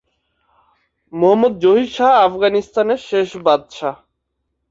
মুহাম্মদ জহির শাহ আফগানিস্তানের শেষ বাদশাহ।